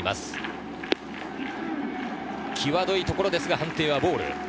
際どいところですが判定ボール。